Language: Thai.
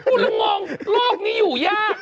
กูลงงโลกนี้อยู่ยาก